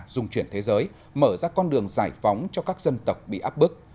dùng chuyển thế giới mở ra con đường giải phóng cho các dân tộc bị áp bức